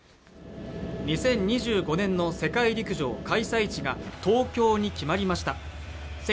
２０２５年の世界陸上開催地が東京に決まりました